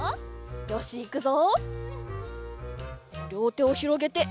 よしいくぞ！